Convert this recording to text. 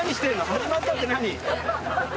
「はじまった」って何？